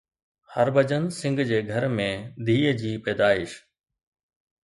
هرڀجن سنگهه جي گهر ۾ ڌيءَ جي پيدائش